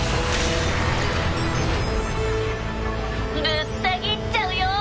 ぶった切っちゃうよ。